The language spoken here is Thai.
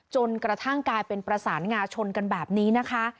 จนกระทั่งกลายเป็นประสานงาชนกันแบบนี้นะคะ